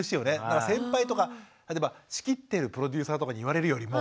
先輩とか例えば仕切ってるプロデューサーとかに言われるよりも。